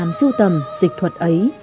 làm siêu tầm dịch thuật ấy